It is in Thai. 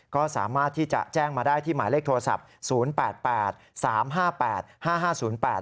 ก็สามารถที่จะแจ้งมาได้ที่หมายเลขโทรศัพท์